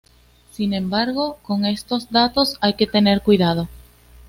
Sin embargo con estos datos hay que tener cuidado.